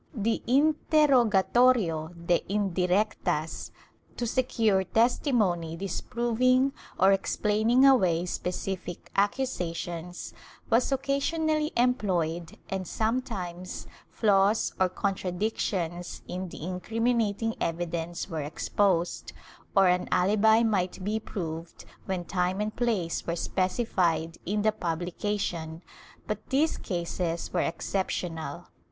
The interrogatorio de indirectas, to secure testimony disproving or explaining away specific accu sations, was occasionally employed, and sometimes flaws or con tradictions in the incriminating evidence were exposed, or an alibi might be proved when time and place were specified in the pubhcation, but these cases were exceptional.